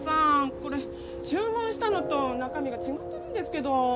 これ注文したのと中身が違ってるんですけど。